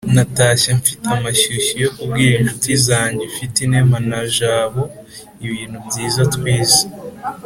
Natashye mfite amashyushyu yo kubwira inshuti zanjye Ufitinema na Jabo ibintu byiza twize.